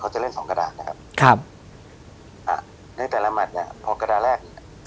เขาจะเล่นสองกระดาษนะครับในแต่ละแมทเนี่ยพอกระดาษแรก